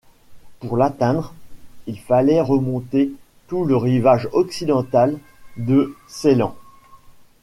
Pour l’atteindre, il fallait remonter tout le rivage occidental de Ceylan.